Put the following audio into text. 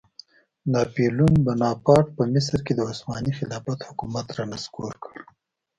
ناپیلیون بناپارټ په مصر کې د عثماني خلافت حکومت رانسکور کړ.